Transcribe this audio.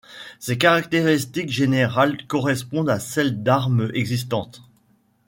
Ses caractéristiques générales correspondent à celles d'armes existantes.